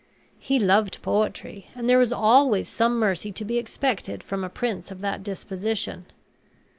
He loved poetry; and there is always some mercy to be expected from a prince of that disposition.